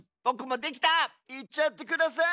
いっちゃってください。